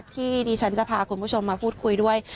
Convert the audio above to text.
ที่ดิฉันจะพาคุณผู้ชมมาพูดคุยด้วย